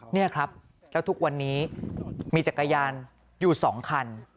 นี่ครับแล้วทุกวันนี้มีจักรยานอยู่๒คัน